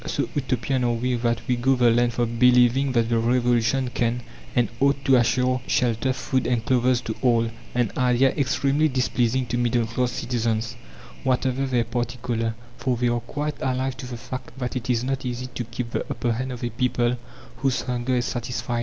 So Utopian are we that we go the length of believing that the Revolution can and ought to assure shelter, food, and clothes to all an idea extremely displeasing to middle class citizens, whatever their party colour, for they are quite alive to the fact that it is not easy to keep the upper hand of a people whose hunger is satisfied.